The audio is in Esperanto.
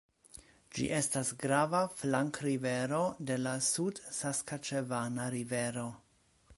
Ĝi estas grava flankrivero de la Sud-Saskaĉevana rivero.